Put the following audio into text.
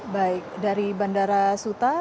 baik dari bandara suta